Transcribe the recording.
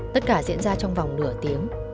tất cả diễn ra trong vòng nửa tiếng